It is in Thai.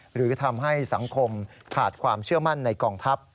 หรือทำให้สังคมขาดความเชื่อมั่นในกองทัพ